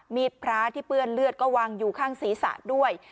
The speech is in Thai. มีดพระที่เปื้อนเลือดก็วางอยู่ข้างศีรษะด้วย